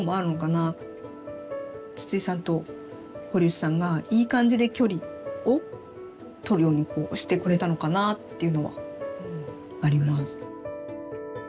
筒井さんと堀内さんがいい感じで距離を取るようにこうしてくれたのかなっていうのはあります。